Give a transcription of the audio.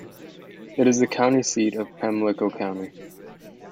It is the county seat of Pamlico County.